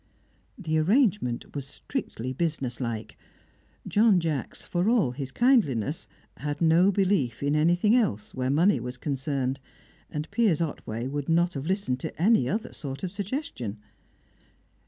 The arrangement was strictly business like; John Jacks, for all his kindliness, had no belief in anything else where money was concerned, and Piers Otway would not have listened to any other sort of suggestion.